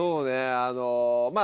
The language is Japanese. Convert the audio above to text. あのまあ